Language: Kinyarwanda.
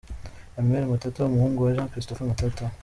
Armel Matata; umuhungu wa Jean Christophe Matata.